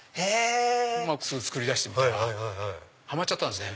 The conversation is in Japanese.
それで作り出してみたらハマっちゃったんですね